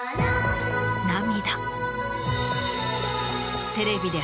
涙。